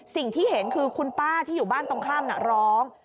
สิ่งที่เห็นคือคุณป้าที่อยู่บ้านตรงข้ามน่ะร้อง